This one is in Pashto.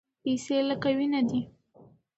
پیسې لکه وینه دي.